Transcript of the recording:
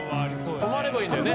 止まればいいんだよね。